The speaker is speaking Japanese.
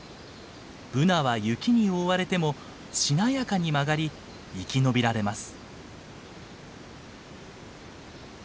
ブナは雪に覆われてもしなやかに曲がり生き延びられます。